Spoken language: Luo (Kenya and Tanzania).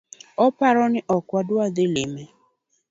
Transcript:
Oparo ni ok wadwa dhi lime